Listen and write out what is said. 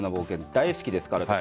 大好きですから。